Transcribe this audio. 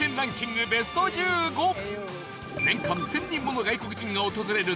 年間１０００人もの外国人が訪れる